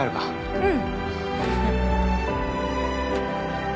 うん。